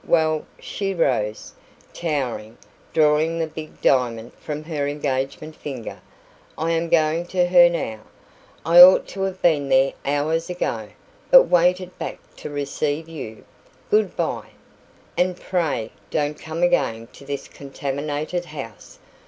Well" she rose, towering, drawing the big diamond from her engagement finger "I am going to her now. I ought to have been there hours ago, but waited back to receive you. Good bye! And pray, don't come again to this contaminated house.